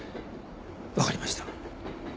わかりました。